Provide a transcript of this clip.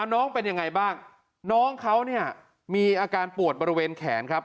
น้องเป็นยังไงบ้างน้องเขาเนี่ยมีอาการปวดบริเวณแขนครับ